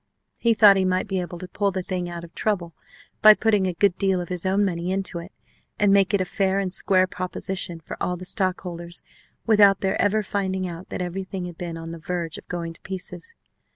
He thought he might be able to pull the thing out of trouble by putting a good deal of his own money into it, and make it a fair and square proposition for all the stockholders without their ever finding out that everything had been on the verge of going to pieces.